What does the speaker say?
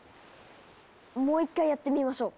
もう一回やってみましょう。